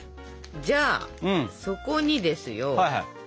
じゃあそこにですよ。